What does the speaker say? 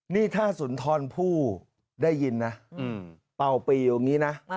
นี่ถ้าสุนทรผู้ได้ยินนะเป่าปีอยู่อย่างนี้นะ